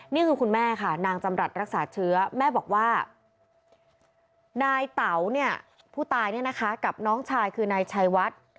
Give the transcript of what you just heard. นี่คือคุณแม่ค่ะนางจำรัฐรักษาเชื้อแม่บอกว่านายเต๋าเนี่ยผู้ตายเนี่ยนะคะกับน้องชายคือนายชัยวัด